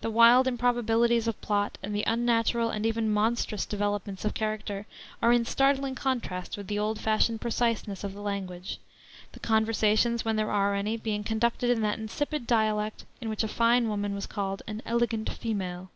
The wild improbabilities of plot and the unnatural and even monstrous developments of character are in startling contrast with the old fashioned preciseness of the language; the conversations, when there are any, being conducted in that insipid dialect in which a fine woman was called an "elegant female."